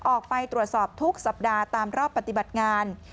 ออกไปตรวจสอบทุกสัปดาห์ตามรอบปฏิบัติงาน